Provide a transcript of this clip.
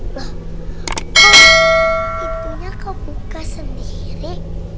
kok pintunya kau buka sendiri